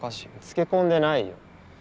つけこんでないよ。